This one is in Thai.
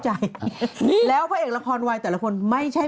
อืมอืมอืมอืมอืม